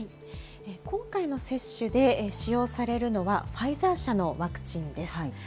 今回の接種で使用されるのはファイザー社のワクチンです。